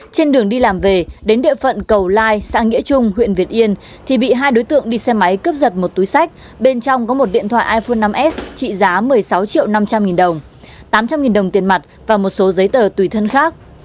trên đường đi làm về đến địa phận cầu lai xã nghĩa trung huyện việt yên thì bị hai đối tượng đi xe máy cướp giật một túi sách bên trong có một điện thoại iphone năm s trị giá một mươi sáu triệu năm trăm linh nghìn đồng tám trăm linh đồng tiền mặt và một số giấy tờ tùy thân khác